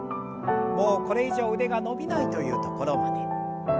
もうこれ以上腕が伸びないというところまで。